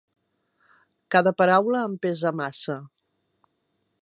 “Cada paraula em pesa massa.